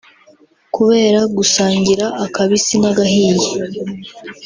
Kubera gusangira akabisi n’agahiye